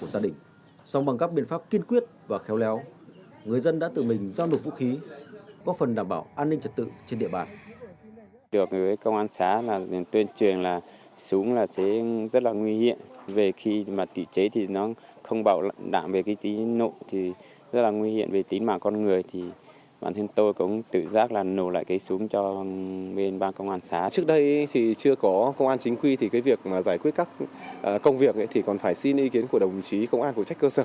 sau bằng các biện pháp kiên quyết và khéo leo người dân đã tự mình giao nộp vũ khí có phần đảm bảo an ninh trật tự trên địa bàn